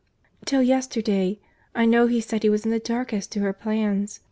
—Till yesterday, I know he said he was in the dark as to her plans.